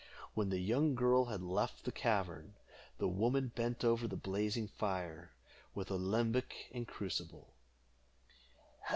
When the young girl had left the cavern, the woman bent over the blazing fire, with alembic and crucible.